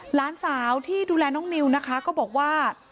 หลานสาวที่ดูแลน้องนิวนะคะก็บอกว่า